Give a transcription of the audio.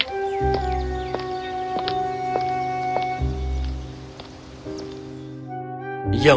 aku sangat menyesal